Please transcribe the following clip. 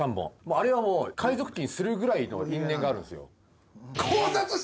あれはもう海賊旗にするぐらいの因縁があるんすよ。